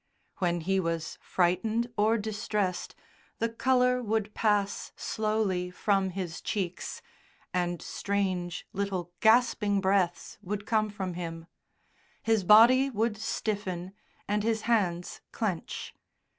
When he was frightened or distressed the colour would pass slowly from his cheeks, and strange little gasping breaths would come from him; his body would stiffen and his hands clench.